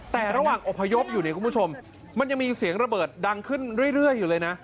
แต่ระหว่างอพยพอยู่เนี่ยคุณผู้ชมมันยังมีเสียงระเบิดดังขึ้นเรื่อยอยู่เลยนะ